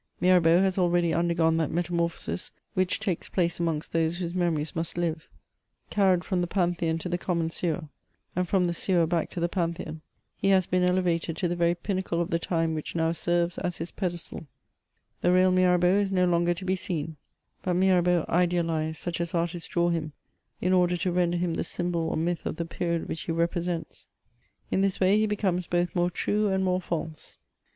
Mirabeau has already undergone that roetamorphoms which takes place amongst those whose memories roust Hve. Carried from tne Pantheon to the common sewer, and from the sewer back to the Pantheon, he has been elevated to the very pinnacle of the time which now serves as his pedestal The real Mirabeau is no longer to be seen ; but Mirabeau idealised, such as artists draw him, in order to render him the symbol or myth of the period which he vepresents ; in this way he becomes both more true and more false.